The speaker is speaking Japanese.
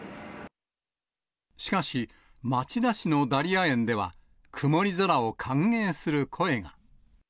しかし、町田市のダリア園では、曇り空を歓迎する声が。